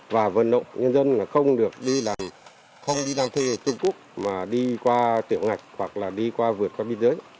và vận động nhân dân là không đi làm thuê trung quốc mà đi qua tiểu ngạch hoặc là đi qua vượt qua biên giới